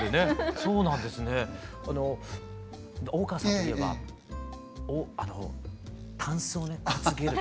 大川さんといえばあのたんすをね担げる。